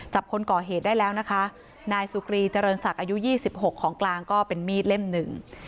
คนก่อเหตุได้แล้วนะคะนายสุกรีเจริญศักดิ์อายุยี่สิบหกของกลางก็เป็นมีดเล่มหนึ่ง